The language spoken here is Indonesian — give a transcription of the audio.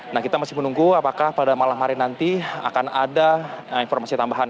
nah kita masih menunggu apakah pada malam hari nanti akan ada informasi tambahan